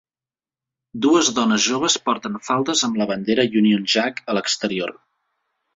Dues dones joves porten faldes amb la bandera Union Jack a l'exterior.